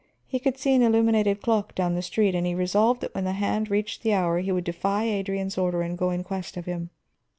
He could see an illuminated clock down the street, and he resolved that when the hand reached the hour he would defy Adrian's order and go in quest of him.